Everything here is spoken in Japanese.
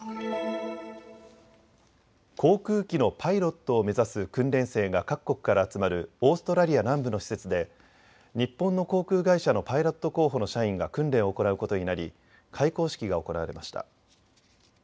航空機のパイロットを目指す訓練生が各国から集まるオーストラリア南部の施設で日本の航空会社のパイロット候補の社員が訓練を行うことになり開講式が行われました。